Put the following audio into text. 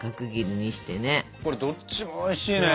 これどっちもおいしいね。